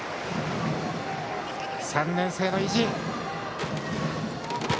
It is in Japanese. ３年生の意地。